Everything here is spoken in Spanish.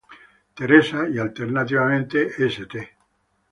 Theresa" y alternativamente "St.